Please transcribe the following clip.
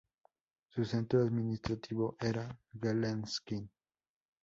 Su centro administrativo era Gelendzhik.